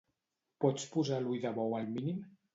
Pots posar l'ull de bou al mínim?